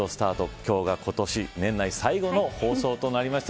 今日が年内最後の放送となりました。